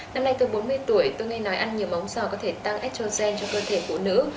năm nay tôi bốn mươi tuổi tôi nghe nói ăn nhiều ống sò có thể tăng estrogen cho cơ thể phụ nữ